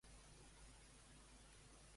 Quines són les últimes tendències a Twitter?